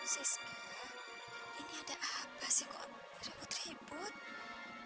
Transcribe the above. sis kak ini ada apa sih kok ribut ribut